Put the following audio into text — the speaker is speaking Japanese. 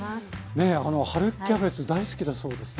春キャベツ大好きだそうですね。